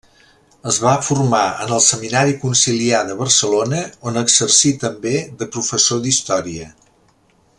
Es va formar en el Seminari Conciliar de Barcelona on exercí també de professor d'història.